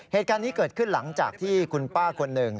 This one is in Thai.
เหตุการณ์นี้เกิดขึ้นหลังจากที่คุณป้าคนหนึ่ง